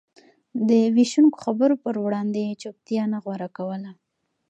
د وېشونکو خبرو پر وړاندې يې چوپتيا نه غوره کوله.